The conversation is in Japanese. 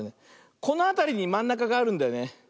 このあたりにまんなかがあるんだよね。